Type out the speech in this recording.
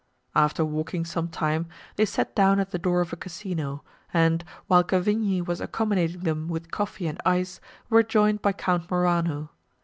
After walking some time, they sat down at the door of a Casino, and, while Cavigni was accommodating them with coffee and ice, were joined by Count Morano.